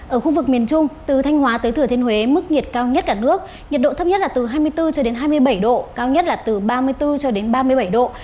ở khu vực miền trung từ thanh hóa tới thừa thiên huế mức nhiệt cao nhất cả nước nhiệt độ thấp nhất là từ hai mươi bốn hai mươi bảy độ cao nhất là từ ba mươi bốn cho đến ba mươi bảy độ